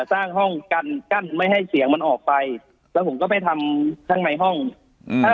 สร้างห้องกันกั้นไม่ให้เสียงมันออกไปแล้วผมก็ไปทำข้างในห้องอืม